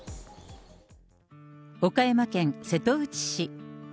岡山県瀬戸内市。